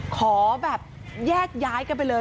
ขอแบบแยกย้ายกันไปเลย